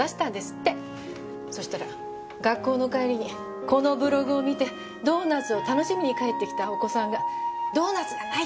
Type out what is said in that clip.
そしたら学校の帰りにこのブログを見てドーナツを楽しみに帰ってきたお子さんがドーナツがない！って